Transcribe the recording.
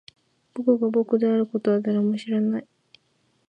僕が僕であることは誰も知らない